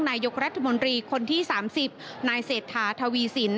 นายหยุทธมดีาที่๓๐นายเศษฐาธาวีสิน